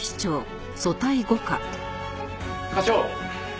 課長。